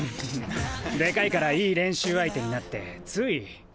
でかいからいい練習相手になってつい。